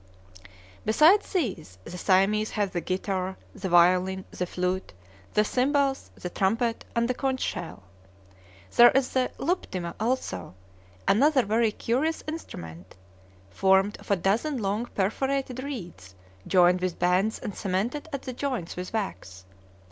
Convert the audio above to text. Beside these the Siamese have the guitar, the violin, the flute, the cymbals, the trumpet, and the conch shell. There is the luptima also, another very curious instrument, formed of a dozen long perforated reeds joined with bands and cemented at the joints with wax.